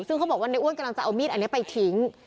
ซึ่งเขาบอกว่าในอ้วนกำลังจะเอามีดอันนี้ไปทิ้ง